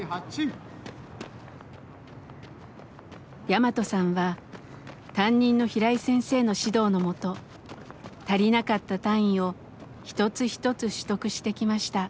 ヤマトさんは担任の平井先生の指導のもと足りなかった単位を一つ一つ取得してきました。